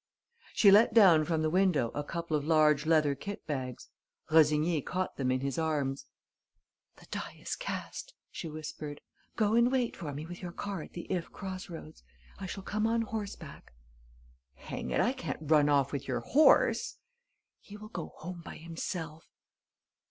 She let down from the window a couple of large leather kit bags. Rossigny caught them in his arms. "The die is cast," she whispered. "Go and wait for me with your car at the If cross roads. I shall come on horseback." "Hang it, I can't run off with your horse!" "He will go home by himself."